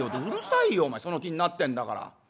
「うるさいよその気になってんだから。